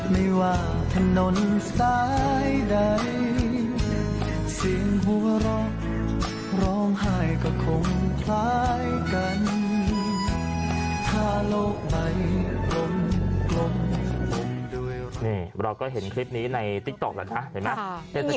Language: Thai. นี่เราก็เห็นคลิปนี้ในติ๊กโต๊คแล้วนะเห็นไหม